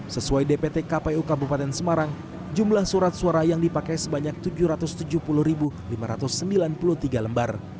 sesuai dpt kpu kabupaten semarang jumlah surat suara yang dipakai sebanyak tujuh ratus tujuh puluh lima ratus sembilan puluh tiga lembar